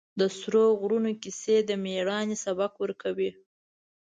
د سرو غرونو کیسې د مېړانې سبق ورکوي.